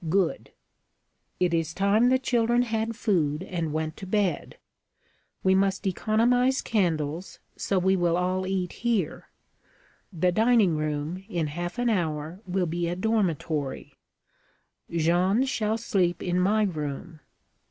Good! It is time the children had food and went to bed. We must economize candles, so we will all eat here. The dining room, in half an hour, will be a dormitory. Jeanne shall sleep in my room.